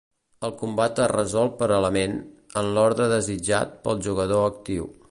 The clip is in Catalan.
El combat es resol per element, en l'ordre desitjat pel jugador actiu.